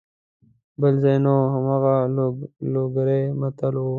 بل ځای نه وو هماغه لوګری متل وو.